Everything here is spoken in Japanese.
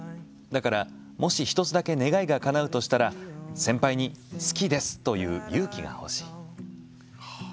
だから、もし１つだけ願いがかなうとしたら先輩に、好きですと言う勇気が欲しい」。